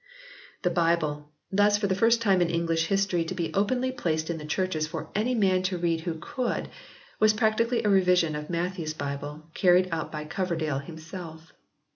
The Bible, thus for the first time in English history to be openly placed in the churches for any man to read who could, was practically a revision of Matthew s Bible carried out by Coverdale himself.